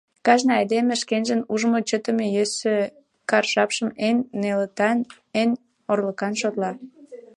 Кажне айдеме шкенжын ужмо-чытыме йӧсӧ, кар жапшым эн нелытан, эн орлыклан шотла.